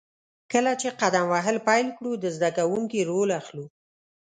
کله چې قدم وهل پیل کړو، د زده کوونکي رول اخلو.